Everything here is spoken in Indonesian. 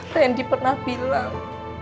randy pernah bilang